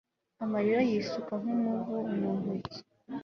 amarira y'isuka nk'umuvu mi ntoki